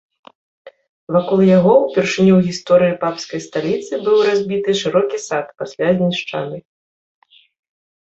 Вакол яго ўпершыню ў гісторыі папскай сталіцы быў разбіты шырокі сад, пасля знішчаны.